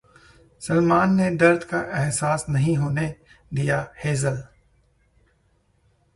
सलमान ने दर्द का अहसास नहीं होने दिया: हजेल